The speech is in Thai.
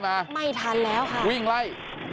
ไม่ทันแล้วค่ะวิ่งไล่